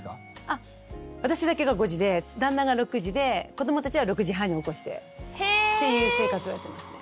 あ私だけが５時で旦那が６時で子どもたちは６時半に起こしてっていう生活をやってますね。